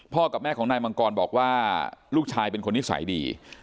กับแม่ของนายมังกรบอกว่าลูกชายเป็นคนนิสัยดี